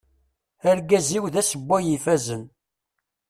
Argaz-iw d asewway ifazen.